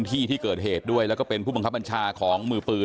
แม่ไม่อยากเชื่อ